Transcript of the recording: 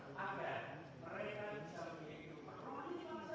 tapi dengan penyelenggaraan skema ini maka warga bisa menangguh